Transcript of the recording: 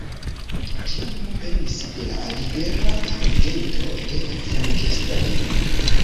Ĝia nomo venis de la libera gento „de Frankenstein“.